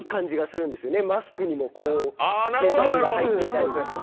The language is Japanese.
マスクにもこうデザインが入ってたり。